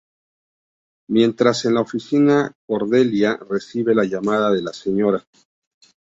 Mientras en la oficina Cordelia recibe la llamada de la Sra.